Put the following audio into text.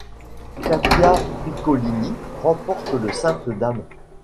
Katia Piccolini remporte le simple dames.